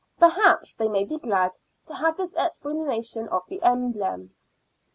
Perhaps they may be glad to have his explanation of the emblem.